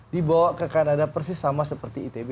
dibawa ke kanada persis sama seperti itb